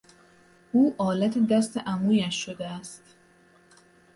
او آلت دست عمویش شده است.